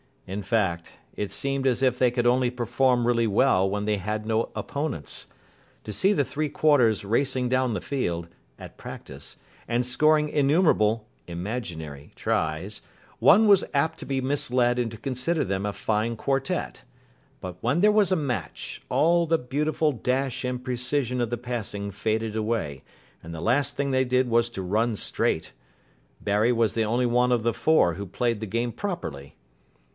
In fact, it seemed as if they could only perform really well when they had no opponents. To see the three quarters racing down the field (at practice) and scoring innumerable (imaginary) tries, one was apt to be misled into considering them a fine quartette. But when there was a match, all the beautiful dash and precision of the passing faded away, and the last thing they did was to run straight. Barry was the only one of the four who played the game properly.